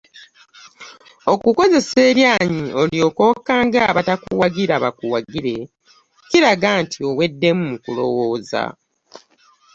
Okukozesa eryanyi olyoke okange abatakuwagira bakuwagire kiraga nti oweddemu mu kulowooza.